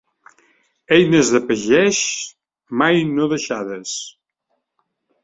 Eines de pagès mai no deixades.